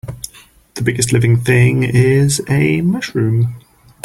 The biggest living thing is a mushroom.